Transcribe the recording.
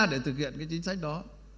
để thực hiện cái chính sách đó